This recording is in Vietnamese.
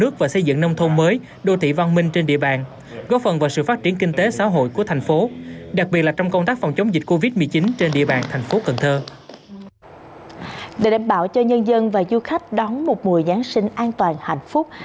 các du khách đón một mùa giáng sinh an toàn hạnh phúc